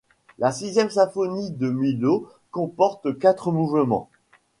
La sixième symphonie de Milhaud comporte quatre mouvements.